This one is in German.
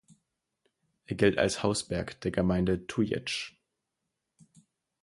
Er gilt als Hausberg der Gemeinde Tujetsch.